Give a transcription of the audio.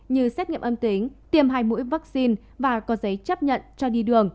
như xét nghiệm âm tính tiêm hai mũi vaccine và có giấy chấp nhận cho đi đường